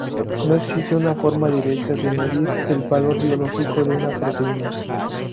No existe una forma directa de medir el valor biológico de una proteína.